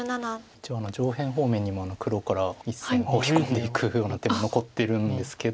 一応上辺方面にも黒から１線ホウリ込んでいくような手も残ってるんですけど。